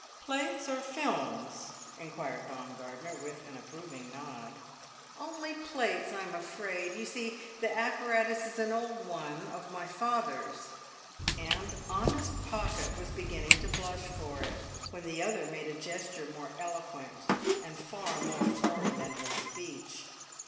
"Plates or films?" inquired Baumgartner, with an approving nod. "Only plates, I'm afraid; you see, the apparatus is an old one of my father's." And honest Pocket was beginning to blush for it, when the other made a gesture more eloquent and far more foreign than his speech.